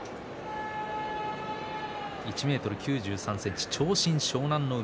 １ｍ９３ｃｍ、長身の湘南乃海。